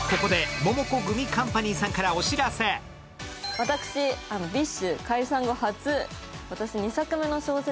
私、ＢｉＳＨ解散後初、私、２作目の小説